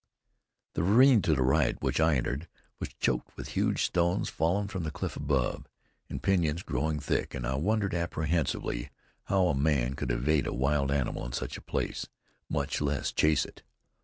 The ravine to the right, which I entered, was choked with huge stones fallen from the cliff above, and pinyons growing thick; and I wondered apprehensively how a man could evade a wild animal in such a place, much less chase it.